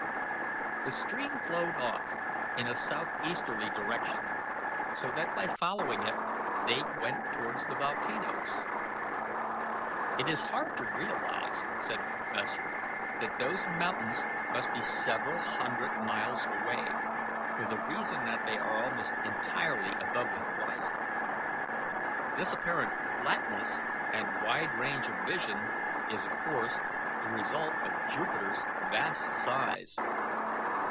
The stream flowed off in a southeasterly direction, so that by following it they went towards the volcanoes. "It is hard to realize," said the professor, "that those mountains must be several hundred miles away, for the reason that they are almost entirely above the horizon. This apparent flatness and wide range of vision is of course the result of Jupiter's vast size.